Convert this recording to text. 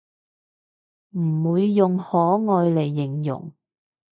唔會用可愛嚟形容